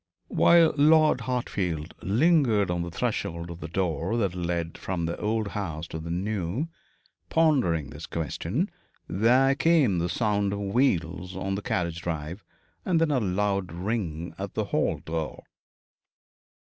While Lord Hartfield lingered on the threshold of the door that led from the old house to the new, pondering this question, there came the sound of wheels on the carriage drive, and then a loud ring at the hall door.